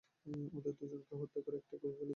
ওদের দুজনকে হত্যা করে একটা কূপে ফেলে দেয়।